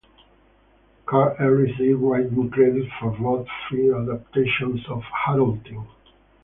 Carl Ed received writing credit for both film adaptations of "Harold Teen".